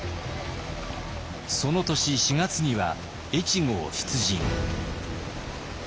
その年４月には越後を出陣。